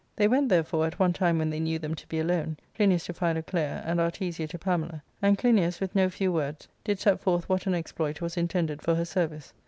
They went, therefore, at one time when they knew them to be alone, Clinias to Philoclea, and Artesia to Pamela ; and Clinias, with no few words, did set forth what an exploit was intended for her service.